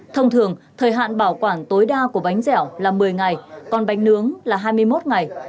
thông thường thời hạn bảo quản tối đa của bánh dẻo là một mươi ngày còn bánh nướng là hai mươi một ngày